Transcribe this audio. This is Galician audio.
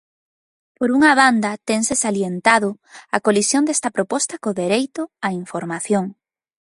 Por unha banda, tense salientado a colisión desta proposta co dereito á información.